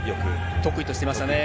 得意としてましたね。